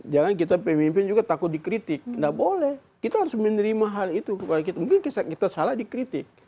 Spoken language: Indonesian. jangan kita pemimpin juga takut dikritik nggak boleh kita harus menerima hal itu kepada kita mungkin kita salah dikritik